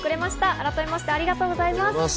改めましてありがとうございます。